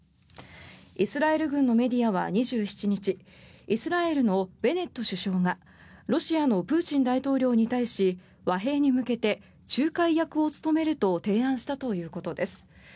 イスラエル軍のメディアは２７日イスラエルのベネット首相がロシアのプーチン大統領に対し和平に向けて仲介役を務めると提案したということです。